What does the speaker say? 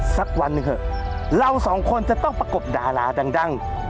สักวันหนึ่งเถอะเราสองคนจะต้องประกบดาราดัง